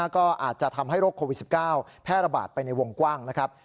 ก็อาจจะทำให้โรคโควิด๑๙แพร่ระบาดไปในวงกว้างนะครับ